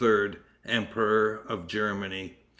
Emperor of Germany.